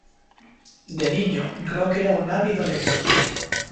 De niño, Rock era un ávido lector.